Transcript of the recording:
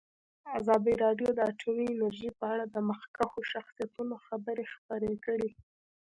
ازادي راډیو د اټومي انرژي په اړه د مخکښو شخصیتونو خبرې خپرې کړي.